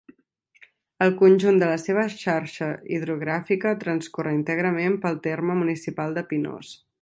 El conjunt de la seva xarxa hidrogràfica transcorre íntegrament pel terme municipal de Pinós.